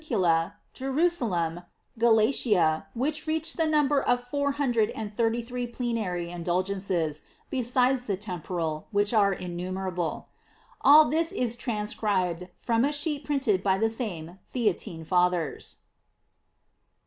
cula, Jerusalern, Galicia, which reach the numbel of four hundred and thirty three plenary indul gences, besides the temporal, which are innu merable. All this is transcribed from a sheet printed by the same Theatine Fathers.